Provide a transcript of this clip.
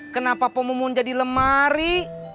kenapa pomo mau jadi lemari